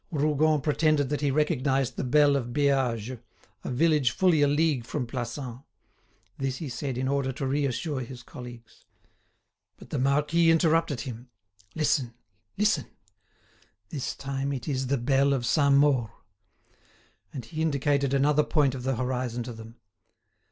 Rougon pretended that he recognised the bell of Beage, a village fully a league from Plassans. This he said in order to reassure his colleagues. But the marquis interrupted him. "Listen, listen: this time it is the bell of Saint Maur." And he indicated another point of the horizon to them.